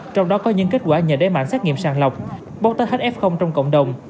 trong đó có những kết quả nhờ đế mạng xét nghiệm sàn lọc bóng tách hf trong cộng đồng